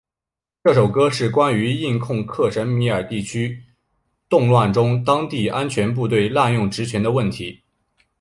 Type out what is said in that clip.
这首歌是关于印控克什米尔地区的动乱中当地安全部队滥用职权的问题。